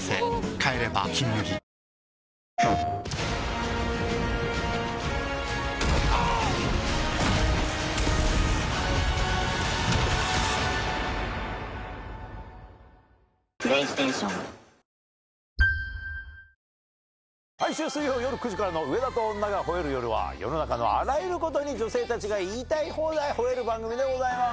帰れば「金麦」毎週水曜夜９時からの『上田と女が吠える夜』は世の中のあらゆることに女性たちが言いたい放題吠える番組でございます。